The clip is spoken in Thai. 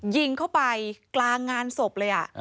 ยิงเข้าไปกลางงานศพเลย